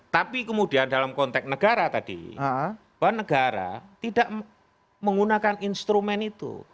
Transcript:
tapi kemudian dalam konteks negara tadi bahwa negara tidak menggunakan instrumen itu